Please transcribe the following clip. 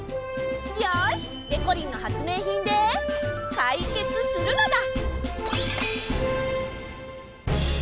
よし！でこりんの発明品でかいけつするのだ！